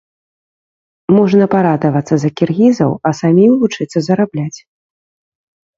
Можна парадавацца за кіргізаў, а самім вучыцца зарабляць.